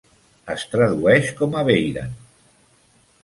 Es tradueix com a "Beiran".